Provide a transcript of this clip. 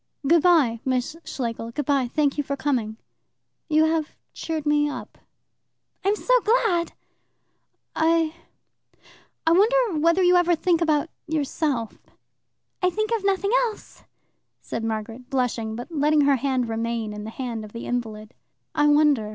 "Good bye, Miss Schlegel, good bye. Thank you for coming. You have cheered me up." "I'm so glad!" "I I wonder whether you ever think about yourself.?" "I think of nothing else," said Margaret, blushing, but letting her hand remain in that of the invalid. "I wonder.